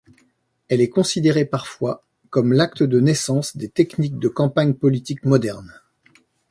Elle est considérée parfois comme l'acte de naissance des techniques de campagnes politiques modernes.